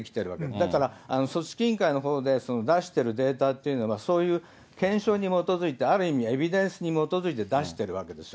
だから、組織委員会のほうで出してるデータというのは、そういう検証に基づいてある意味、エビデンスに基づいて出してるわけですよ。